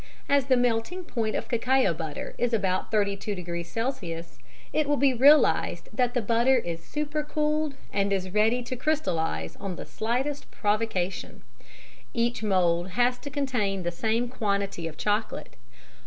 As the melting point of cacao butter is about 32° C, it will be realized that the butter is super cooled and is ready to crystallize on the slightest provocation. Each mould has to contain the same quantity of chocolate.